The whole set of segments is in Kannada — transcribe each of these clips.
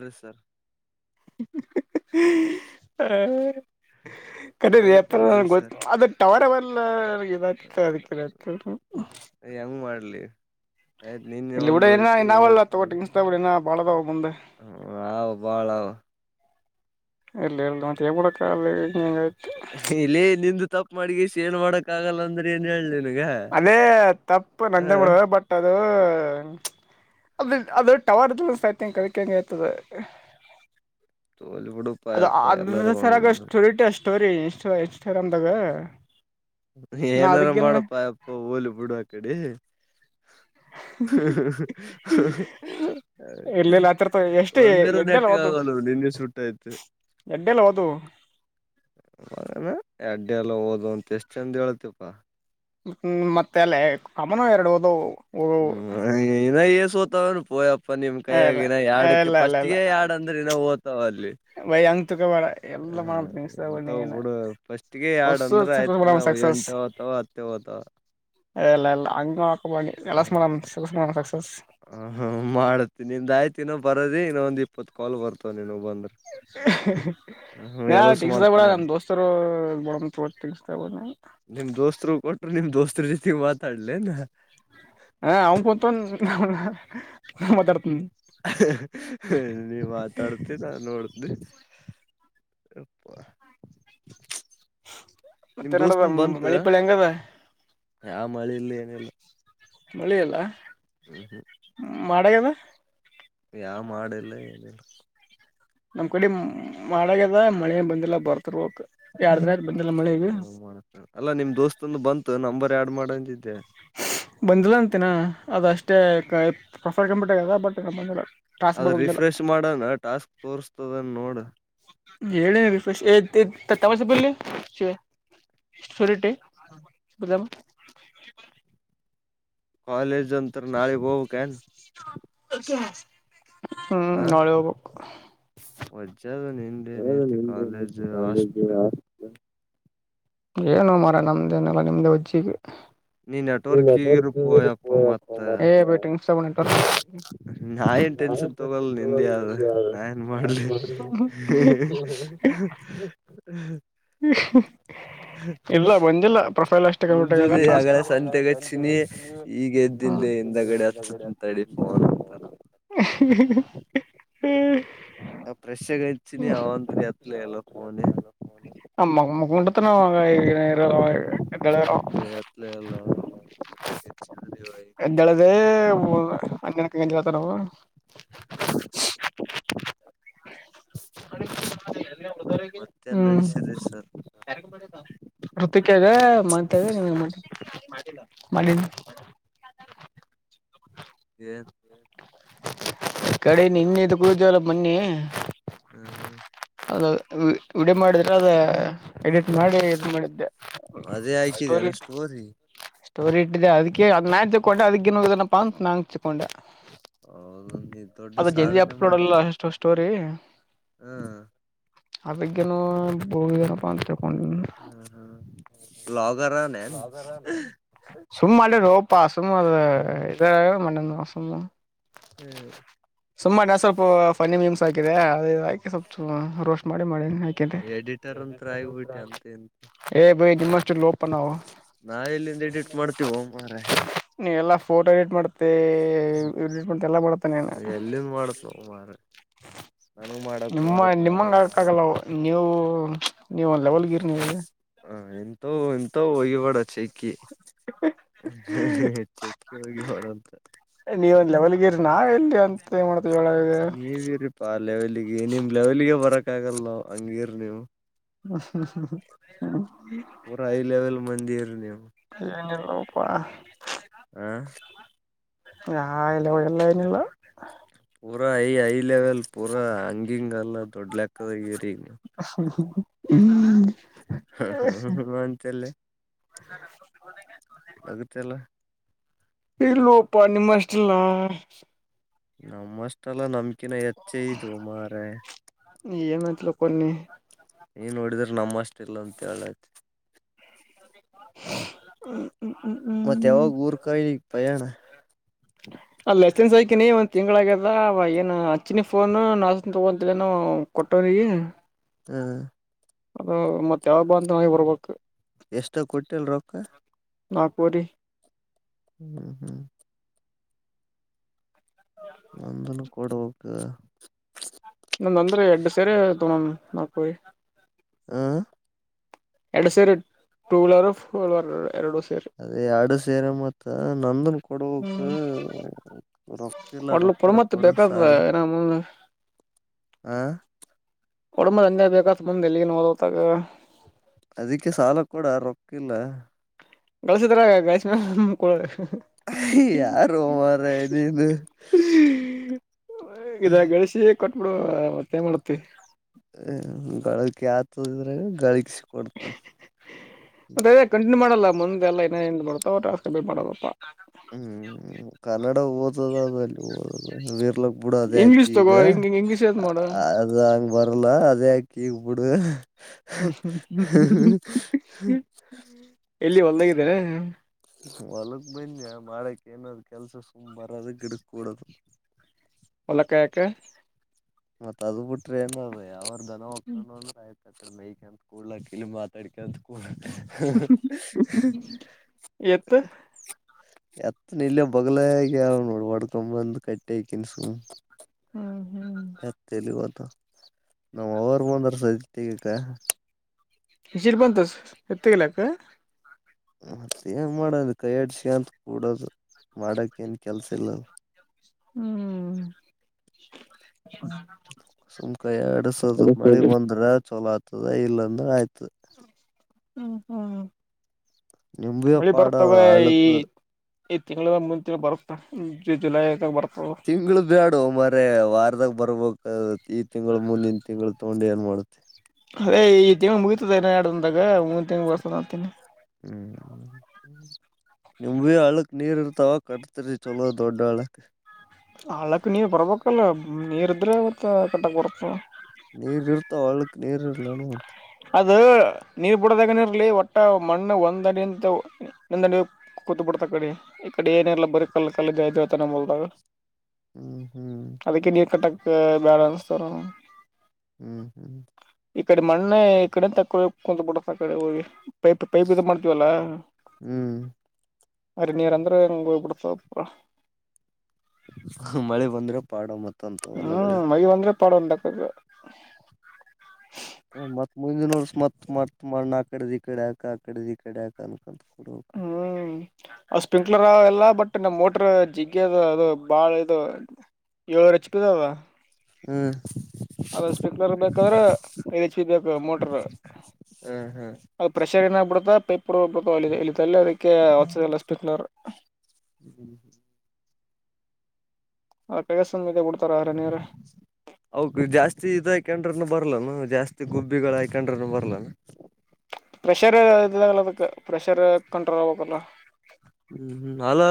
ಅಲ್ರಿ ಸರ್ ಆ ಹ ಕರಿ ನಗುತ್ತ ಹತ್ರ ಅಲ್ರಿ ಗೊ ಸರ್ ಅದ ಟವರ್ವೆಲ್ಲ ಇದತ ಅದಕ್ಕೆ ಯ ಮಾಡ ಇಲ್ಲಿ ಇಡ ಏನ ಐತಿ ನಾವಲ್ಲ ತಗೋಟ್ಟಿ ಇನ ಬಾಳದ ಹ ಬಾಳ ಇಲ್ಲ ಎಲ್ಲ ಅಂತ ಹೇಬಡಕ್ಕ ಅ ಇಲ್ಲಿ ನಿಂದು ತಪ್ಪು ಮಾಡಗಿಸಿ ಏನ್ ಮಾಡಕ್ ಆಗಲ್ಲ ಅಂದ್ರೆ ಏನ್ ಹೇಳಲೇನ್ ಅದೇ ತಪ್ಪು ನಂದ ಬಿಡು ಬಟ್ ಅದು ಅದ ಅದು ಟವರ್ ಸತಂಗ ಕಲಿಕಂಗಗೆ ಆತದೆ [unintelligible] ಜೋಲಿಬಡ ಪ ಪ ಎಲ್ಲರೊಂಡ ಸರಾಗ ಸ್ಟೋರಿಟ ಸ್ಟೋರಿ ಇನ್ಸ್ಟಾ ಇನ್ಸ್ಟಾಗ್ರಾಮ್ಗ ಏನಾರು ಮಾಡಪ್ಪಯಪ್ಪ ಹೋಲಿ ಬಿಡ ಕಡೆ ಹ ಹ ಇರ್ಲಿಲ್ಲ ಆತಿರ್ತ ಎಷ್ಟು ಒಂದಿರ ಎಡ್ಡೆಲ್ಲ ನೆಟ್ಟಗ ಓದು ಆಗಲ್ ನಿನ್ಗೆ ಸುಟ್ಟ ಆಯ್ತು ಎಡ್ಡೆಲ್ಲ ಹೋದು ಮನಾ ಅಡ್ಡ ಎಲ್ಲ ಹಓದ ಅಂತ ಎಷ್ಟ್ ಚಂದ ಹೇಳಳ್ತಿಪಾ ಹ್ಮ್ ಮತ್ತ ಅಲ್ಲೇ ಅಮನ ಎರಡುದು [unintelligible] ಹ್ಮ್ ಇನ ಸೋತಾವನುಯ [unintelligible] ಇಪ್ಪ ನಿಮ್ ಇಲ್ಲ ಕೈಯಗನ ಯರಡಕ್ಕೆ ಇಲ್ಲ ಫಸ್ಟ್ಗೆ ಯಾಡ್ ಅಂದ್ರೆನ ಓ್ತವ ಅಲ್ಲಿ ಭೈ ಅಂಗ ಕವಾಡ ಹ ಎಲ್ಲ ಮಾಡ ಮ ಇಂತವ್ ಬಿಡು ಫಸ್ಟ್ಗೆ ಹೊ ಸಸಸ್ ಬತವತ ಲ್ಲ ಇಲ್ಲ ಹಂಗ ಹಾಕಿ ಎಲ್ಲ ಮಾಡ ಮಾಡ ಸಸಸ್ [unintelligible] [inaudible] ಹ ಹ್ಮ ಮಾಡತ್ತೆ ನಿಮ ಆಯ್ತ ಇನೋ ಬರೋದ ಇನ್ನೊ ಒಂದ ಇಪ್ಪತ್ ಕಾಲ್ ಬರ್ತವ ನೀನು ಬಂದು ನ ಎಲಸ ನ ಮಾಡ್ತಾನಂತ ದೋಸ್ತರ [unintelligible] ನಿಮ್ ದೋಸ್ತರು ಕೊಟರು ನಿಮ್ ದೋಸ್ತ್ರ ಜೊತೆಗ್ ಮಾತಾಡ್ಲನ ಹ ಅವನ್ ಕುಂತ ಮಾತಾಡ್ತನಿ [inaudible] ನೀ ಮಾತಾಡ್ತಿ ನಾನ್ ನೋಡ್ದ ರಪ್ಪ [unintelligible] ನಿಮ್ ಮತ್ತೆನಡದ ದೋಸ್ತಂದ ಬಂತ ಮಳಿ ಪಳಿ ಹೆಂಗದ ಯ ಮಳಿ ಇಲ್ಲಿ ಏನಿಲ್ಲ ಮಳೆ ಅಲ್ಲ ಹ್ಮ್ ಹ್ಮ್ ಮೆಯದ [unintelligible] ಯಾವ ಮಾಡಿಲ್ಲ ಏನಿಲ್ಲ ನಮ್ ಕಡೆ ಮಾಡಾಗ್ಯದ ಮಳೆ ಬಂದಿಲ್ಲ ಬರ್ತರ್ವಕ್ ಅಲ್ಲಾ ನಿಮ್ ದೋಸ್ತಂದು ಬಂತು ನಂಬರ್ ಆಡ್ ಮಾಡಂತಿದ್ದೆ ಬಂದಿಲ್ಲ ಅಂತನಾ ಅದ ಅಷ್ಟೇ ಪ್ರಫರ್ ಕಂಪ್ಯೂಟ ಆಗದ ಬಟ್ ಬಂದಿಲ್ಲ [unintelligible] ಅದ ಬಂದಿಲ್ಲ ರಿಫ್ರೆಶ್ ಮಾಡಣ ಟಾಸ್ಕ್ ತೋರ್ತದನ್ ನೋಡ ಹೇಳಿ ವಿಶೇಶ್ ತಮಸ ಬಲಿ ಶಿವ [unintelligible] ಸರಿಟ್ಟ ಬಾಮ [unintelligible] ಕಾಲೇಜ್ ಅಂತ ನಾಳೆ ಹೋಗಬೇಕು ಹ್ಮ್ ಹ ನೋಳಿ ಹೋಗ್ಬೇಕು [unintelligible] ವಜ್ಜದ ಹ ನಿಂದೇನೈತಿ ನಿಮೇನುು ಕಾಲೇಜ್ ಕಾಲೇಜು ಹಾಸ್ಟ್ಲ್ ಆಸ್ಪತ್ [unintelligible] ಏನು ಮರ ನಮ್ದೇನೆಲ್ಲ ನಿಮ್ದ ವಜ್ಜಿಗೆ ನೀ ನೆಟ್ವರ್ಕ್ ಇರುಪೋ ಯಪ್ಪ ಮತ್ತ ಟಂಗ [unintelligible] ನಾ ಏನ್ ಟೆನ್ಷನ್ ತಗೋಲ್ ನಿಂದಿ ಆದ ನಾ ಏನ್ ಮಾಡ್ಲಿ [inaudible] ಹ್ಮ ಇಲ್ಲ ಬಂದಿಲ್ಲ ಪ್ರೊಫೈಲ್ ಅಷ್ಟೇ ಹಳ ಮುಂಜಲಿ ಆಗಳ ಸಂತೆಗಚ್ಚಿನಿ ಈಗ ಎದ್ದಿಂದ್ಲೆ ಹಿಂದಗಡೆ ಹಚ್ಚತನ್ ತಡಿ ಫೋನ್ ಅಂತಾನ [unintelligible] [inaudible] ಹ್ಮ [unintelligible] ಫ್ರೆಶ್ ಆಗಿ ರಾಜ್ಯ ಹಚ್ಚಿನಿ ಅವಂತ್ರಿ [unintelligible] ಎತ್ಲೆ ಇಲ್ಲ ಫೋನೆ ಊಟ ತನ [unintelligible] ಎತ್ ಎತ್ಲೆ ಇಲ್ಲ ಎಂತ ಮಾಡಿ ಹೇಳದೆ ಅಕ್ಕೆಂತ ಹೇಳ್ತಾರವು [unintelligible] ಅ [unintelligible] [inaudible] ಮತ್ತೆನ್ ನಡೆಸ್ರ ಸರ್ [unintelligible] ೃತಿಕಾಗ ಮತ್ಾಗ [unintelligible] [inaudible] [unintelligible] ಏನ್ ಕಡೆ ನಿನ್ನೆದು ಕುಡಿದವಲ್ಲ ಬೊನ್ನಿ ಹ್ಮ್ ಹ್ಮ್ ಅದು ವಿಡಿ ಮಾಡಿದ್ರೆ ಅದ ಎಡಿಟ್ ಮಾಡಿ ಇದು ಮಾಡಿದ್ದೆ ಅದೇ ಸ್ಟೋರಿ ಹಾಕಿದೆನ ಸ್ಟೋರಿ ಇಟ್ಟಿದೆ ಅದಕ್ಕೆ ಅದಾಯ ಕೊಟ್ಟೆ ಅದಕ್ಕಿನ್ನು ಇದನಪ್ಪ ಅಂತ ನಾಚ್ಿಕೊಂಡೆ ಹೌದು ನೀ ದೊಡ್ಡ ಜಲ್ದಿ ಸಾಧನೆ ಅಪ್ಲೋಡ್ ಅಲ್ಲ ಮಾಡಿದೀರಿ ಅಷ್ಟು ಸ್ಟೋರಿ ಹಾ ಆಗ್ಾನ ಭೋಗಗನಪ್ಪ ಅಂತ ತಿಳ್ಕೊಂಡ ಹ್ಮ ಹಾ ಲಾ ಸುಮ್ಮ ಅೆ ರೋಪ ಸುಮ್ಮ ಅ ಇ ಮನೆ ನಸ ಹ್ಮ್ ಸುಮ್ಮನೆ ನ ಸ್ವಲ್ಪ ಫನಿ ಮೀಮ್ಸ್ ಹಾಕಿದೆ ಅದದುಾಕಿ ಸ್ವಲ್ಪ ರೋಸ್ಟ್ ಮಾಡಿ ಮಾಡೇಿ ಎಡಿಟರ್ ಅಂತ ಆಗ್ಬಿಟ್ಟೆ ಅಂತ ಇಂತ ಬ ನಿನ್ಮಸ್ು ಲೋಪ ನಾವ ನಾವ ಎಲ್ಲಿಂದ ಎಡಿಟ್ ಮಾಡ್ತೀವೋ ಮಾರಾಯ ನೀ ಎಲ್ಲಾ ಫೋಟೋ ಎಡಿಟ್ ಮಾಡತ ಮ್ಮಟ್ ಎಲ್ಲ ಮಾಡತೇನೆನು ನನ ಮಾಡಕ್ ಬಂದರು ನಾವ ಆಕ್ಕಾಗಲ್ಲ ಅವು ನೀವು ನೀವು ಲೆವಲ್ಗಿರ್ ನೀವು ಎಂತ ಎಂತ ಒ್ಯ ಪಡ ಚೆಕ್ಕಿ ಚೆಕ್ಕೆ ಹೋಗಿ ಮಾಡಂತ ನಾವ ಎಲ್ಲಿ ಅಂತ ಏನ್ ಮಾಡ್ತೇವಿ ಒಳ ಲೆವೆಲಿಗೆ ನಿಮ್ ಲೆವೆಲ್ಗೆ ಬರಕ್ ಆಗಲ್ಲ ನ ಹಂಗೀರ್ ನೀವು ಹ ಹ ಪೂರ ಹೈ ಲೆವೆಲ್ ಮಂದಿರ ನೀವು ನಲ್ಲಪ್ಪ ಹಾ ಆ ಇಲ್ಲ ಒ ಎಲ್ಲ ಅನಲ್ಲ ಪೂರಾ ಹೈ ಲೆವೆಲ್ ಪೂರಾ ಹಂಗಿಂಗ ಎಲ್ಲ ದೊಡ್ ಲೆಕ್ಕದ ಹ ಹ ಹ ಹ ಮಾಂತೆಲ್ಲ ನಗತ್ತಲ್ಲ ಇಲ್ಲೋ ಯಪ್ಪಾ ನಿಮಸ್ಸ್ಟ್ ಇಲ್ಲ ನಮ್ಮಷ್ಟೆಲ್ಲ ನಮಕಿನ ಹೆಚ್ಚ ಇದು ಮಾರೆ ಮಟ್ಲು ಕೊನ್ನ ನೀಏನ್ ನೋಡಿದ್ರೆ ನಮ್ಮ ಅಷ್ಟ ಇಲ್ಲ ಅಂತ ಹೇಳೈ್ತ ಹ್ಮ [unintelligible] ಮತ್ತ ಯಾವಾಗ ಊರ್ ಕಡೆಗೆ ಪಯಾಣ ಅತ್ತನ್ ಸೈಕಿನಿ ಒಂದ್ ತಿಂಗ್ಳ ಆಗ್ಯದ ಏನು ಅಚ್ಚಿನಿ ಫೋನು ನಾನ್ ತಗೊಂತನ ಕೊಟ್ಟವ್ರ ಹ್ಮ ಅದು ಮತ್ತ ಯಾವ ಬ ಅಂತ ನಿ ಬರ್ಬೇಕು ಎಷ್ಟ ಕೊಟ್ಟಿಲ್ ರೊಕ್ಕ ನಾಗಪೂರಿ ಹ್ಮ್ ಹ್ಮ್ ಒಂದನ ಕೊಡುವಕ್ಕ ಮಪರಿ ಹ ಎಡು ಸೇರಿ ಟೂ ವೀಲರ್ ಫೋರ್ ವೀಲರ್ ಎರಡು ಸೇರಿ ಅದೇ ಆಡು ಸೇರೆ ಮತ್ತ ನಂದನ್ ಕೊಡಕ್ ಹ್ಮ್ ರೊಕ್ಕ ಇಲ್ಲ ರೊ ಪುಣಮತ್ ಬೇಕ ಹ ಒಡಮದ ಅಂದೇ ಬೇಕಾತ ಬಂದ ಎಲ್ಲಿಗ ಓದೋತಾಗ ಅದಕ್ಕೆ ಸಾಲ ಕೂಡ ರೊಕ್ಕಿಲ್ಲ ಗಳಸಿದ್ರಾಗ ಗಳಸ್ಮ ಯಾರು ಮಾರಯ್ಯ ಇದು ಇದ ಳಿಸಿ ಕೊಟ್ಬಿಡು ಮತ್ತೇನ್ ಮಾಡತಿವಿ ಹ ಗಳ ಆತದ್ರ ಗಳಗ್ ಸಿ ಮತ್ತೆ ಅ ಕಂಟಿನ್ಯೂ ಮಾಡಲ್ಲ ಮುಂದೆಲ್ಲ ಇನ ಮಾಡತಾವೇಟ್ ಮಾಡದಪ್ಪ ಹ್ಮ್ ಕನ್ನಡ ಓದದ ಅದಲ್ಲಿಓ ವೀರ್ಲ ಬಿಡು ಅದೇ ಅಕಿ ಇಂಗ್ಲೀಷ್ ಈಗ ತಗೋ ಹಿಂಗ ಹಿಂಗ ಇಂಗ್ಲೀಷ್ ಏತ್ ಮಾಡು ಅದು ಹಂಗ ಬರಲ್ಲ ಅದೇ ಅಕ್ಕಿ ಬಿಡು ಹ್ಮ್ ಹ್ಮ್ಮ ಎಲ್ಲಿ ಒಲ್ದಾಗಿದ್ದರ ಹೊಲಗ್ ಬನ್ಯ ಮಾಡಕ್ ಏನಾದ್ ಕೆಲ್ಸ ಸುಂಬ್ ಬರದ ಗಿಡಕ್ ಕೂಡದು ಒಲಕಾಯಕ್ಕೆ ಮತ್ತತ್ ಅದ ಬಿಟ್ರೆ ಏನ ಯಾವ್ರ ದನ ಒಕ್ಕೊಂಡು ಅಂದ್ರ ಆಯ್ತು ಹತ್ತ ಮೈಕ ಅಂತ ಕ ಕೊಡ್ಲಾ ಕ ಇಲ್ ಮಾತಾಡ್ಕ ಅಂತ ಹ ಎತ್ [unintelligible] ಎತ್ನ ಇಲ್ಲ ಬಗ್ಲಗ ನೋಡು ವಡ್ಕೊ ಬಂದು ಕಟ್ಟಿ ಸುಮ್ನೆ ಹ್ಮ್ ಹ್ಮ್ ಕತಲಿ ಹೋಯಿತು ನಮ್ಮ್ ಅವರ್ ಬಂದರ್ ಸದ ತಗಕ್ಕ [unintelligible] ಬಂತು ಎತ್ತಲಾಕ್ಕ ಮತ್ತ ಏನ್ ಮಾಡೋದು ಕೈಯಾಡ್ಸ ಅಂತ ಕೂಡದು ಮಾಡಕ್ ಏನ್ ಕೆಲ್ಸ ಇಲ್ಲಲ್ ಹ್ಮ್ ಸುಮಕ ಎರಡ್ ಸ ಮಳಿ ಬಂದ್ರ ಚಲೋ ಆತ ಹತದ ಇಲ್ಲಂದ ಆಯ್ತದೆ ಹ್ಮ ಹ್ಮ ನಿಂಬೆ ಮಳಿ ಪಾಡ ಬರ್ತವೆ ಈ ಹಳ್ಳಕ್ ಈ ತಿಂಗಳ ಮುಂದ ತಿ ಬರುತ ಜುಲೈಗ ಬರ್ತ ತಿಂಗಳು ಬ್ಯಾಡು ಮರ ವಾರದಾಗ ಬರ್ಬೇಕ ಈ ತಿಂಗಳು ಮುಂದಿನ ತಿಂಗಳು ತಗೊಂಡು ಏನ್ ಮಾಡುತ್ತೆ ಅ ಈ ತಿಂಗಂಳ ಮುಗಿತತದ ಎರಡಂದಾಗನ್ ತಿಂಗಂಳ ಬರ್ಸ್ತತೀನಿ ಹ್ಮ್ ನಿಂಬಿಯ ಆಳ ನೀರ್ ಇರ್ತಾವ ಕಟ್ತಿರಿ ಚಲೋ ದೊಡ್ಡಾಳಕ್ ಅಳಕ್ಕ ನೀವ್ ಬರ್ಬೇಕಲ್ಲ ನೀರ್ ಇದ್ರೆ ಅವವತ್ತ ಕಟ್ಟಕ್ ಬರತ ನೀರ್ ಇರ್ತ ಒಳ್ಕ್ ನೀರ್ ಇರ್ಲಾನ ಅಂತ ಅದು ನೀರ್ ಬಿಡದಾಗನ ಇರಲಿ ಒಟ್ಟ ಮಣ್ಣು ಒಂದ್ ಅಡಿ ಅಂತ ಒಂದ ಅಡಿ ಕೂತ್ಬಟ್ಟ ಕಡೆ ಇ ಕಡೆ ಏನಲ್ಲ ಬರ ಕಲ್ಲ ಕಲ್ಲ ಜಯತಿತಾನೋಲ್ದಾಗ ಹ್ಮ್ ಹ್ಮ್ ಬೇರೆ ಇಸ್ತರ ಹ್ಮ್ ಹ್ಮ್ ಇಕ್ಕಡೆ ಮಣ್ಣೆ ಇಕ್ಕಡೆ ತಕ್ಕವ ಕುಂತ ಪುಡತ ಅಡೆ ಪೈಪ್ ಪೈಪ್ದು ಮಾಡ್ತೀವಲ್ಲ ಹ್ಮ್ ಹರಿ ನೀರು ಅಂದ್ರೆ ಹಂಗಗೆ ಹೋಗ್ ಬಿಿಡ್ತ ಅರ [unintelligible] ಮಳೆ ಬಂದ್ರೆ ಪಾಡ ಮತ್ತ [inaudible] ಹ್ಮ್ ಮಗ [unintelligible] ಬಂದ್ರೆ ಪಾಡನ್ಕ್ಕ ಹ ಮತ್ ಮುಂದಿನ ವರ್ಷ ಮತ್ ಮತ್ ಮಾಡಣ ಆ ಕಡೆ ಈ ಕಡೆ ಆಾಕ ಆ ಕಡೆ ಈ ಕಡೆ ಆಾಕ ಹ್ಮ್ ಸ್ಪ್ರಿಂಕ್ಲರ್ ಅವ ಎಲ್ಲ ಬಟ್ [inaudible] ಮೆ ನಮ್ಮ ಮೋಟ್ರ ಜಿಗ್ಗ ಅದ ಅದು ಬಾಳ ಇದು ಏಳರು ಹೆಚ ಪಿ ದ ಅದ ಹ್ಮ ಅದ ಸ್ಪೀಕರ್ ಬೇಕಾದ್ರೆ ಐದು ಹೆಚ್ ಬಿ ಬೇಕು ಮೋಟರ್ ಹ್ಮ್ ಹ್ಮ್ ಅದ ಪ್ರೆಷರ್ ಏನಾಗಬಿಡುತ್ತ ಪ ಒ ಒಬ್ಬ ಅದೆ ಇಲ್ಲಿ ತಲ್ಲ ಅದಕ್ಕೆ ಹೊಸದಲ್ಲ ಅಷ್ಟು ಬಿತ್ನರು ಹ್ಮ ಹ್ಮ್ ಹ ಕಸಂದ ಮಡ್ತ ಹೌದು ಜಾಸ್ತಿ ಇದಕಂಡ್ರನು ಬರ್ ಬರ್ಲನು ಜಾಸ್ತಿ ಗುಬ್ಬಿಗಳು ಹಯ್ಕೊಂಡ್ರನು ಬರ್ಲಾನ ಪ್ರೆಷರ್ ಇದಾಗಲ್ಲ ಅದಕ್ಕೆ ಪ್ರೆಷರ್ ಕಂಟ್ರೋಲ್ ಆಗ್ಕಲ್ಲ ಹ್ಮ್ ಅಲ್ಲ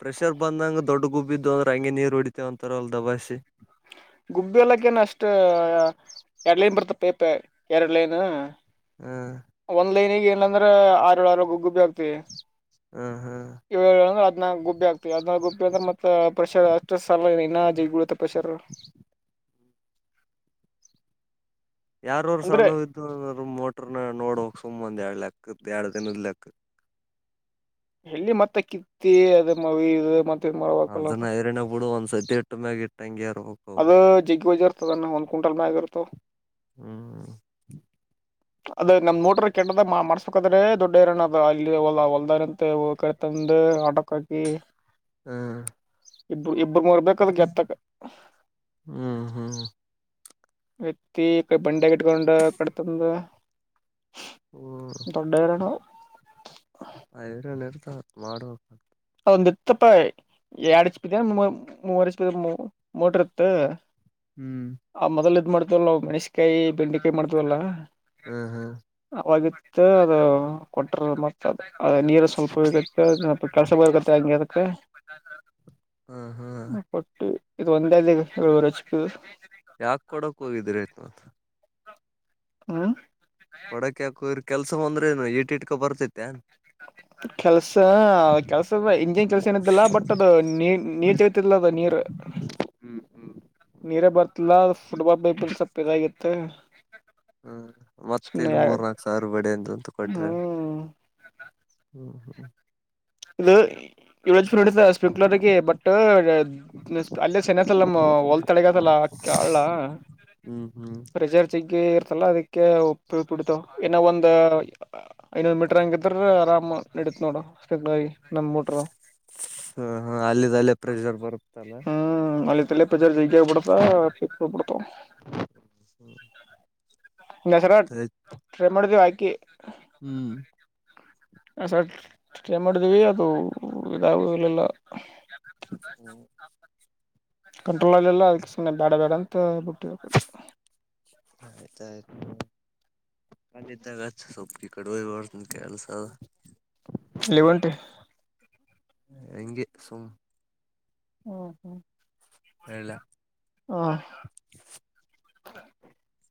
ಪ್ರೆಷರ್ ಬಂದಂಗ ದೊಡ್ಡ ಗುಬ್ ಬಿದ್ದು ಅಂದ್ರೆ ಹಂಗೆ ನೀರು ಹೊಡಿತೇವ ಅಂತಾರ ಅಲ್ ದಬಾಸಿ ಗುಬ್ಬಿ ಎಲಕ್ಕೇನ್ ಅಷ್ಟ ಎರಡ್ ಲೈನ್ ಬರ್ತ ಪೇಪ ಎರಡ್ ಲೈನ್ [unintelligible] ಹ್ಮ್ ಏನಂದ್ರೆ ಆರಳ ಆರ ಗಗ್ ಗುಬ್ಬಿ ಆಗ್ತವಿ ಹ್ಮ್ ಹ್ಮ್ ಇ ಗುಬ್ಬ ಆಗ್ತದೆ ಅದ ಗುಬ್ಬ ಅಂದ್ರೆತ್ತ ಪ್ರೆಷರ್ ಅಷ್ಟು ಸಾಲ ಇನ್ನ ಜಿ ಬೀಳುತ್ತೆ ಪ್ರೆಷರ್ [unintelligible] ಯಾರವರು ಅಂದ್ರೆ ಸಣ್ಣ ಇದ್ದು ಅಂದರು ಮೋಟ್ರ ನ ನೋಡಕ್ ಸುಮ್ಮ್ ಒಂದ ಎರಡ್ ಲೆಕ್ಕಕ್ ಎರಡ್ ದಿನದ್ ಲೆಕ್ಕ ಎಲ್ಲಿ ಮತ್ತೆ ಕಿತ್ತಿ ಅದ ಮ ಮ [unintelligible] ಅದನ್ನ ರಿರಣ್ಯ ಬಿಡು ಒಂದ್ಸತಿ ಒಟ್ಟೊಮ್ಮೆಗ ಇಟ್ಟಂಗಗೆ ಅದು ಜಿಗ್ ಬಜ್ ಇರ್ತದಣ ಒಂದ್ ಕ್ವಿಂಟಲ್ ಮ್ಯಾಗ ಇರ್ತ [unintelligible] ಹ್ಮ್ ಅದ್ ನಮ್ ಮೋಟಾರ್ ಕೆಟ್ಟದ ಮಾಡ್ಸ್ಕದ್ರೆ ದೊಡ್ಡ ಇರನ ಅ ಅಲ್ಲಿ ಹೊಲ್ದಾರ ಅಂತ ಕತ ಬಂದು ಆಟಕ್ಕಾಕಿ ಹ್ಮ್ ಇಬ್ರು ಇಬ್ರ ಮರ್ಬೇಕದ್ ಗೆತ್ತಕ್ ಹ್ಮ್ ಹ್ಮ್ ವ್ಯಕ್ತಿ ಕಡೆ ಬಂಡೆ ಇಟ್ಕೊಂಡ ಕಟ್ತಂದ ಹ್ಮ್ ದೊಡ್ಡಗರಣ [unintelligible] ಹ ಇವರನ್ ಇರ್ತ ಮಾಡ್ಬೇಕ ಒಂದು ಇತ್ತುಪ್ಪ ಎರಡುಚ್ಪವ ಮೂವರುಚ್ಪ ಮೋಟರ್ ಇತ್ತು [unintelligible] ಹ್ಮ್ ಆ ಮೊದಲ್ ಇದ್ ಮಾಡ್ತವಲ್ಲವು ಮೆಣಸಕಾಯಿ ಬೆಂಡೆಕಾಯಿ ಮಾಡ್ತವಲ್ಲ ಹ್ಮ್ ಹ್ಮ್ ಅವಾಗಿತ್ತು ಅದು ಕೊಟ್ರ ಮತ್ತ ಅದ ನೀರ ಸ್ವಲ್ಪ ಇಗತ್ತೆ ತ್ತ ಹಂಗಗೆರುತ್ತೆ [inaudible] ಹ್ಮ್ ಹ್ಮ್ ಇದು ಒಂದೇದ ಏುವರೆಷಕ್ಕ [inaudible] ಯಾಕ್ ಕೊಡಕ್ ಹೋಗಿದ್ರ ಆಯ್ತುಂತ ಹಾ ಕೊಡಕ ಯಾಕೋ ಇರ್ ಕೆಲ್ಸವಂದ್ರೆನು ಈಟ್ ಇಟ್ಕೊ ಬರ್ತೈತಿ [unintelligible] [inaudible] ಕೆಲ್ಸ ಕೆಲ್ಸದ ಇಂಜಿನ್ ಕೆಲ್ಸ ಏನ ಇದಿಲ್ಲಾ ಬಟ್ ಅದು ನೀ ನೀರ್ ತಗತಿಲ್ಲ ಅದ ನೀರ್ ಹ್ಮ್ ಹ್ಮ್ ನೀರೇ ಬರ್ತಿಲ್ಲ ಫುಟ್ಬಾಲ್ ಬೈ ಬ ಸಪ್ಪ ಇದಾಗಿತ್ತೆ ಹ್ಮ್ ಮತ್ತ ಇಲ್ಲಿ ಮೂರ್ನಾಾಕು ಸಾವಿರ ಬಡ ಅಂತಂತ ಕೊಟ್ರೆ ಹ್ಮ್ ಹ್ಮ್ ಹ್ಮ ಇದು ಇ [unintelligible] ಸ್ಡ ಸ್ಪ್ರಿಂಕ್ಲರ್ ಬಟ್ ಅಲ್ಲೇ ಸೆನ್ತಲ್ಲ ನಮ್ ಹೊಲ್ ತಡೆಗತಲ್ಲ [unintelligible] ಹ್ಮ್ ಹ್ಮ್ ರಿಸಲ್ಟ್ ಚಿಗ್ಗಿ ಇರ್ತಲ್ಲ ಅದಕ್ಕೆ ಉಪ್ಪು ಇಡೀತಾವ್ ಇನ್ನ ಒಂದ ಐನೊದ್ ಮೀಟರ್ ಹಂಗಿದ್ರ ಆರಾಮ್ ನಡೀತ್ ನೋಡುಾಗಿ ನಮ್ ಮೋಟರ್ [inaudible] ಹಾ ಹಾ ಅಲ್ಲಿಿದ್ದ ಅಲ್ಲೇ ಪ್ರೆಷರ್ ಬರುತ್ತಲ್ಲ [inaudible] ಪ ಪ್ರಜಾರ ಜೈಗ ಪಡ್ತಾೇಕ ಪಡ್ತ [unintelligible] [inaudible] ನಸರ ಟ್ರೈ ಮಾಡಿದೇವಿ ಹಾಕಿ [unintelligible] ಹ್ಮ್ ಸರ್ ಚೆನ್ನಾ [unintelligible] ಮಾಡಿದೀವಿ ಅದು ಇದಾಗ ಇಲ್ಲೆಲ್ಲ ಹ ಹ್ಮ್ [inaudible] ಕಂಟ್ರೋಲ್ಲ್ಲ ಎಲ್ಲ ಅದಕ್ಕೆ ಸುಮ್ಮನೆ ಬೇಡ ಬೇಡ ಅಂತ ಬಿಟ್ಟ ಆತಾಯತು ಕಲ್ಲಿದ್ದಾಗ ಸೊಪ್ಪಿ ಕಡುವ ಬತ ಕೆಲ್ಸ [inaudible] ಅಲ್ಲಿ ಹೊಂಟಿ ಹೆಂಗೆ ಸುಮ್ ಹ್ಮ ಹ್ಮ್ ಹೇಳ ಹಾ [inaudible]